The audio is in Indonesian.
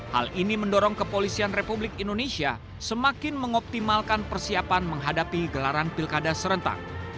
hal ini mendorong kepolisian republik indonesia semakin mengoptimalkan persiapan menghadapi gelaran pilkada serentak